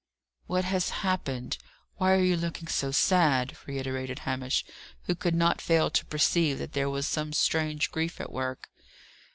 "What has happened? Why are you looking so sad?" reiterated Hamish, who could not fail to perceive that there was some strange grief at work.